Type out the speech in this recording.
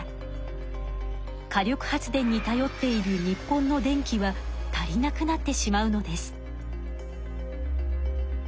火力発電にたよっている日本の電気は足りなくなってしまうのです。